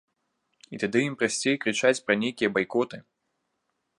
І тады ім прасцей крычаць пра нейкія байкоты.